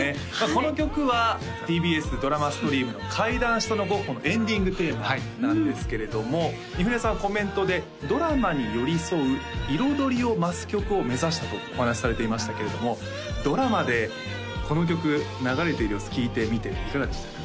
この曲はＴＢＳドラマストリームの「階段下のゴッホ」のエンディングテーマなんですけれども三船さんコメントで「ドラマに寄り添う彩りを増す曲を目指した」とお話されていましたけれどもドラマでこの曲流れている様子聴いてみていかがでしたか？